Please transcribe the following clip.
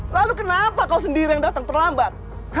lalu kenapa kau sendiri yang datang terlambat